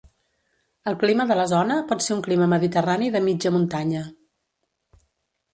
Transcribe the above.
El clima de la zona pot ser un clima mediterrani de mitja muntanya.